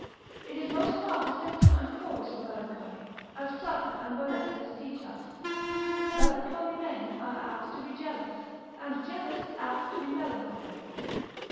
It is most part a symptom and cause of melancholy, as Plater and Valescus teach us: melancholy men are apt to be jealous, and jealous apt to be melancholy.